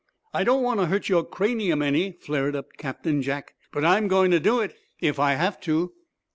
"I don't want to hurt your cranium any," flared up Captain Jack. "But I'm going to do it if I have to."